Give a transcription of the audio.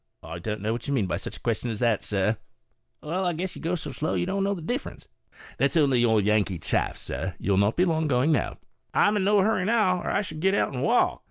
u I don't know what you mean by such a question as that, sir." Yankee. " Wal, I guess you go so slow I don't know the dif ference." Porter. u That's only your Yankee chaff, sir ; you'll not be long going now." Yankee. "I'm in no hurry now, cr I should get out and walk."